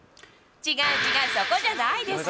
違う、違う、そこじゃないですよ。